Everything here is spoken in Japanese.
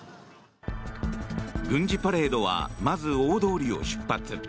軍事パレードはまず大通りを出発。